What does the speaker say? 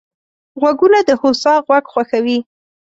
غوږونه د هوسا غږ خوښوي